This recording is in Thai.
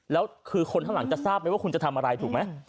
แล้วคือคนข้างหลังจะทราบไหมว่าคุณจะทำอะไรถูกไหม